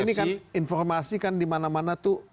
ini kan informasi kan dimana mana tuh